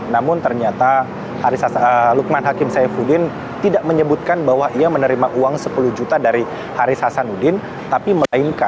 namun ternyata lukman hakim saifuddin tidak menyebutkan bahwa ia menerima uang sepuluh juta dari haris hasanuddin